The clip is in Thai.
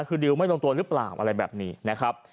คือดิวไม่ลงตัวหรือเปล่าอะไรแบบนี้นะครับ